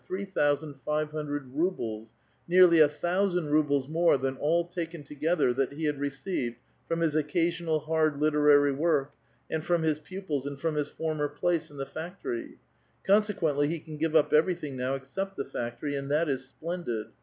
three thousand ^\q hundred rubles — nearly a thousand rubles more than all taken together that he had received from his occasional hard litei^arv work and from his pupils and from his former place in the factor}'; conse quently he can give up everything now except the factory, and that is splendid.